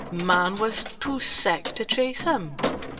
Man was too sick to chase him.